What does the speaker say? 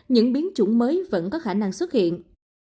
những biến chủng mới vẫn có khả năng xuất hiện